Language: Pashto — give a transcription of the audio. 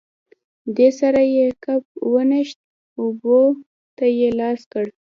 دې سره یې کپ ونښت، اوبو ته یې لاس کړ.